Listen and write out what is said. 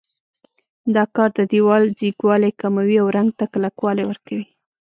دا کار د دېوال ځیږوالی کموي او رنګ ته کلکوالی ورکوي.